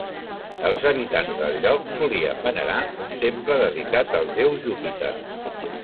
Els habitants del lloc solien venerar un temple dedicat al déu Júpiter.